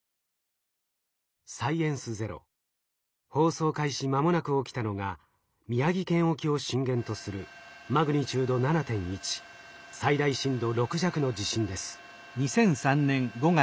「サイエンスＺＥＲＯ」放送開始まもなく起きたのが宮城県沖を震源とするマグニチュード７．１最大震度６弱の地震です。